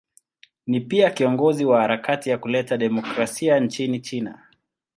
Ni pia kiongozi wa harakati ya kuleta demokrasia nchini China.